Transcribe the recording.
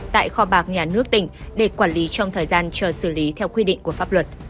tại kho bạc nhà nước tỉnh để quản lý trong thời gian chờ xử lý theo quy định của pháp luật